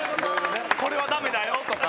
これはダメだよとか。